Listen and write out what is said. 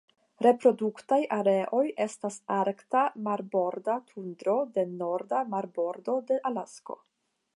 Reproduktaj areoj estas Arkta marborda tundro de norda marbordo de Alasko.